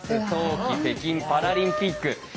冬季北京パラリンピック。